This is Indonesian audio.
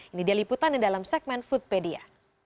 ini dia liputannya dalam segmen foodpedia